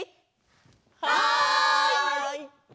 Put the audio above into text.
はい！